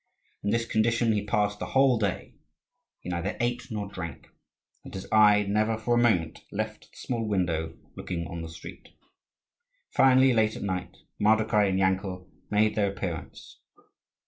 In this condition he passed the whole day. He neither ate nor drank, and his eye never for a moment left the small window looking on the street. Finally, late at night, Mardokhai and Yankel made their appearance.